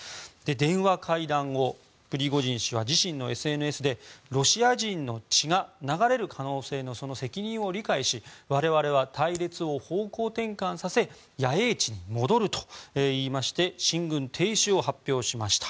電話会談後、プリゴジン氏は自身のＳＮＳでロシア人の血が流れる可能性のその責任を理解し我々は隊列を方向転換させ野営地に戻ると言いまして進軍停止を発表しました。